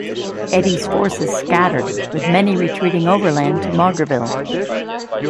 Eddy's forces scattered, with many retreating overland to Maugerville.